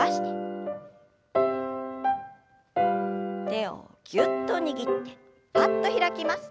手をぎゅっと握ってぱっと開きます。